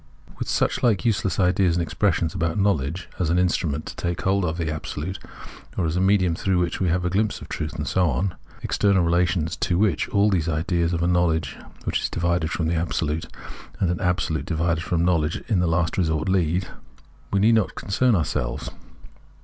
With suchlike useless ideas and expressions about knowledge, as an instrument to take hold of the Absolute, or as a medium through which we have a ghmpse of truth, and so on (external relations to which all these ideas of a knowledge which is divided from the Absolute and an Absolute divided from knowledge m the last resort lead), we need not concern ourselves.